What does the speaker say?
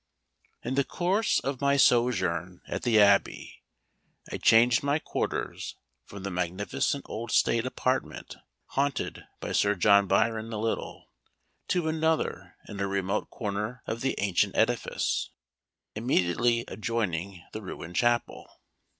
In the course of my sojourn at the Abbey, I changed my quarters from the magnificent old state apartment haunted by Sir John Byron the Little, to another in a remote corner of the ancient edifice, immediately adjoining the ruined chapel.